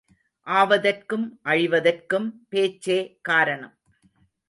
ஆவதற்கும் அழிவதற்கும் பேச்சே காரணம்.